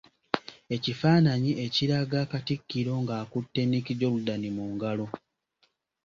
Ekifaananyi ekiraga Katikkiro nga akutte Nick Jordan mu ngalo.